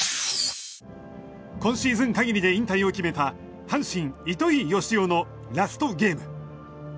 今シーズン限りで引退を決めた阪神、糸井嘉男のラストゲーム。